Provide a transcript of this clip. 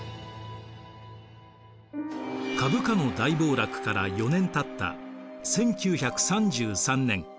株価の大暴落から４年たった１９３３年。